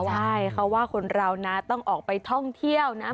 ใช่เขาว่าคนเรานะต้องออกไปท่องเที่ยวนะ